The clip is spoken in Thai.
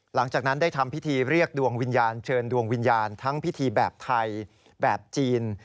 หลังจากนั้นได้ทำพิธีเรียกดวงวิญญาณเชิญดวงวิญญาณทั้งพิธีแบบไทยแบบจีน